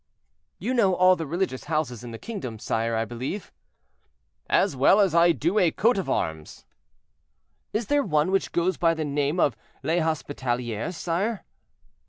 "You know all the religious houses in the kingdom, sire, I believe?" "As well as I do a coat of arms." "Is there one which goes by the name of Les Hospitalières, sire?"